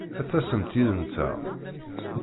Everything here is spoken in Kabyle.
Ad d-tasemt yid-nteɣ!